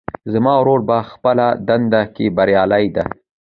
زما ورور په خپله دنده کې بریالۍ ده